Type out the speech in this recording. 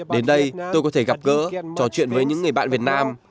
đến đây tôi có thể gặp gỡ trò chuyện với những người bạn việt nam